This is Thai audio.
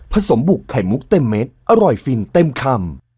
สมบุกไข่มุกเต็มเม็ดอร่อยฟินเต็มคำ